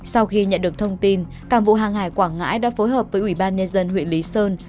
sau khi nhận được thông tin cảng vụ hàng hải quảng ngãi đã phối hợp với ủy ban nhân dân huyện lý sơn